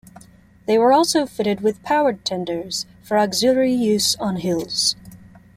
They were also fitted with powered tenders for auxiliary use on hills.